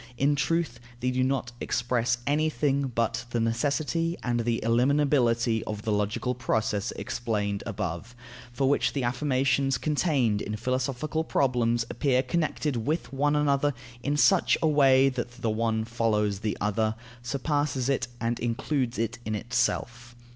In truth, they do not express anything but the necessity and the ineliminability of the logical process explained above, for which the affirmations contained in philosophical problems appear connected with one another in such a way that the one follows the other, surpasses it, and includes it in itself.